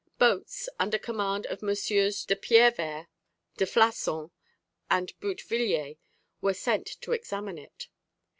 Boats, under command of MM. de Pierrevert, de Flassan, and Boutevilliers, were sent to examine it.